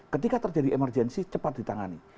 ketika terjadi emergensi cepat ditangani